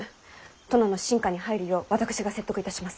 殿の臣下に入るよう私が説得いたします。